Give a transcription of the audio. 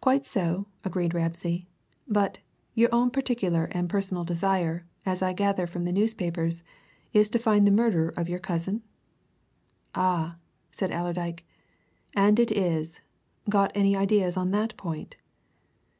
"Quite so," agreed Ramsay. "But your own particular and personal desire, as I gather from the newspapers, is to find the murderer of your cousin?" "Ah!" said Allerdyke. "And it is! Got any ideas on that point?"